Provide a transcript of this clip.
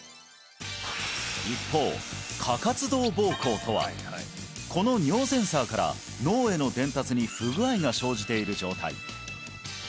一方過活動膀胱とはこの尿センサーから脳への伝達に不具合が生じている状態